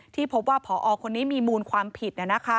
ที่พบว่าพอคนนี้มีมูลความผิด